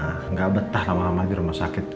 tidak betah lama lama di rumah sakit